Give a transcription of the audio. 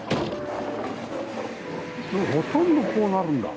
ほとんどこうなるんだ。